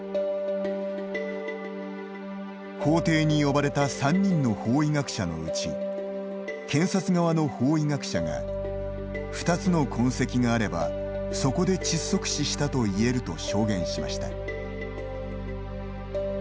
法廷に呼ばれた３人の法医学者のうち検察側の法医学者が２つの痕跡があればそこで窒息死したといえると証言しました。